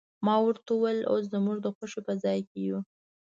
ما ورته وویل، اوس زموږ د خوښۍ په ځای کې یو.